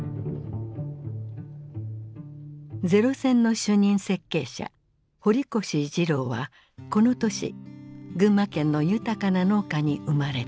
零戦の主任設計者堀越二郎はこの年群馬県の豊かな農家に生まれた。